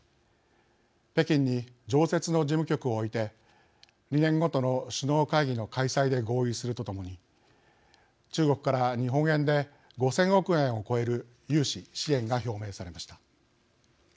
北京に常設の事務局を置いて２年ごとの首脳会議の開催で合意するとともに中国から日本円で５０００億円を超える融資、支援が表明されました。